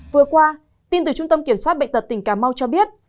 vừa qua tin từ trung tâm kiểm soát bệnh tật tỉnh cà mau cho biết